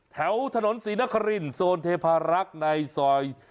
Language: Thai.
แถวถนนศรีนครินโซนเทพารักษ์ในซอย